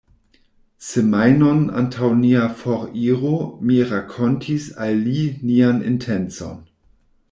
Semajnon antaŭ nia foriro mi rakontis al li nian intencon.